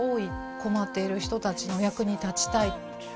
困っている人たちの役に立ちたい。